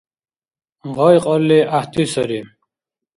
Гъай кьалли гӏяхӏти сари…